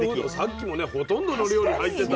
さっきもねほとんどの料理に入ってた。